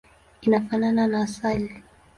Inafanana na asali.